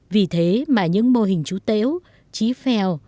vì thế mà những mô hình chú tễu trí phèo